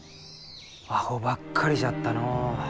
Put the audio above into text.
アホばっかりじゃったのう。